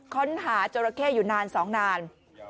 ค้นหาเจอร์ราเค่อยู่นานสองนาน